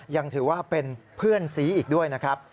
ยังถือว่าเป็นเพื่อนสีอีกด้วยนะครับ